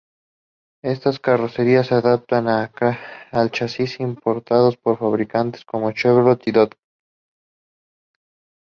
Estas carrocerías se adaptaban a chasis importados de fabricantes como Chevrolet y Dodge.